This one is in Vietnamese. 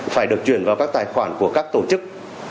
phải được chuyển vào các tài khoản của các tổ chức